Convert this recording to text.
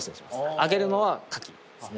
揚げるのはカキですね